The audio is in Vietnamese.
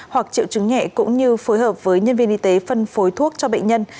hoặc triệu chứng nhẹ cũng như phối hợp với nhân viên y tế phân phối thuốc cho bệnh nhân